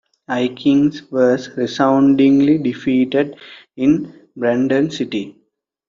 Aikins was resoundingly defeated in Brandon City.